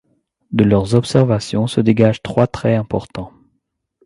De leurs observations se dégagent trois traits importants.